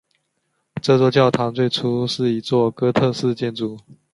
这座教堂最初是一座哥特式建筑。